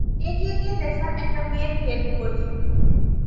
এগিয়ে গিয়ে দেখলাম একটা মেয়ের ডেডবিডি।